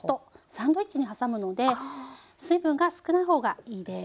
サンドイッチに挟むので水分が少ない方がいいです。